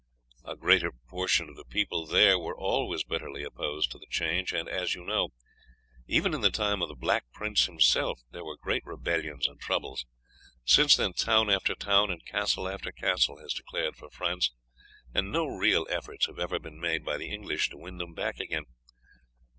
A great proportion of the people there were always bitterly opposed to the change, and, as you know, even in the time of the Black Prince himself there were great rebellions and troubles; since then town after town and castle after castle has declared for France, and no real efforts have ever been made by the English to win them back again.